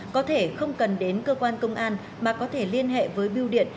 có thể không cần đến cơ quan công an mà có thể liên hệ với biêu điện